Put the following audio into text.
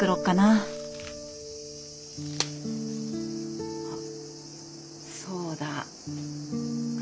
あっそうだ。